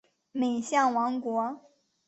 敏象王国。